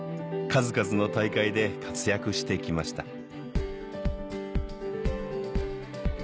数々の大会で活躍して来ました